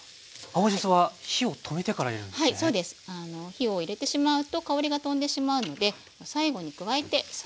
火を入れてしまうと香りが飛んでしまうので最後に加えてサッと炒め合わせます。